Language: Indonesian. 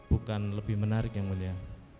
bukan lebih menarik yang mulia